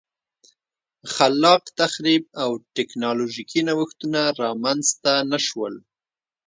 خلاق تخریب او ټکنالوژیکي نوښتونه رامنځته نه شول